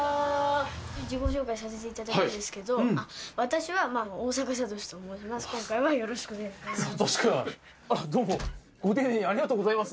自己紹介させていただきたいんですけど、私は大坂聡志と申します。